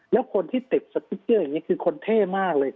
แล้วคนที่ติดสติ๊กเกอร์อย่างนี้คือคนเท่มากเลย